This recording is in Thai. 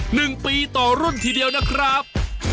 หนึ่งปีต่อรุ่นทีเดียวนะครับ